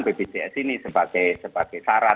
ppts ini sebagai syarat